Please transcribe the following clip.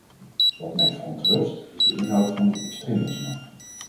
Wat mij verontrust, is de inhoud van dit extremisme .